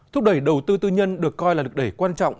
thúc đẩy đầu tư tư nhân được coi là lực đẩy quan trọng